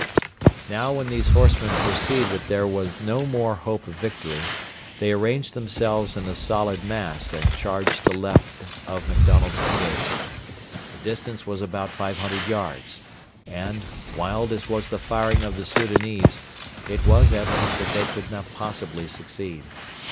Now when these horsemen perceived that there was no more hope of victory, they arranged themselves in a solid mass and charged the left of MacDonald's brigade. The distance was about 500 yards, and, wild as was the firing of the Soudanese, it was evident that they could not possibly succeed.